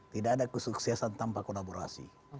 tidak ada kesuksesan tanpa kolaborasi